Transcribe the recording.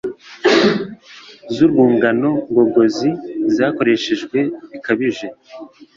z’urwungano ngogozi zakoreshejwe bikabije